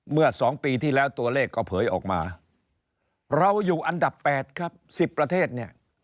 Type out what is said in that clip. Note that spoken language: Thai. เมื่อ๒ปีที่แล้วตัวเลขก็เผยออกมาเราอยู่อันดับ๘ครับ๑๐ประเทศเนี่ย